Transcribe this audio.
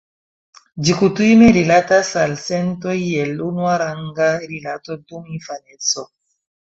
Ĝi kutime rilatas al sentoj el unuaranga rilato dum infaneco.